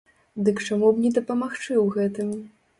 Дык чаму б не дапамагчы ў гэтым?